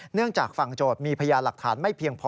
เนื่องจากฝั่งโจทย์มีพยานหลักฐานไม่เพียงพอ